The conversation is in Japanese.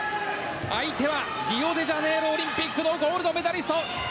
相手はリオデジャネイロオリンピックのゴールドメダリスト！